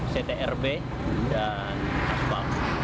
ctrb dan aspal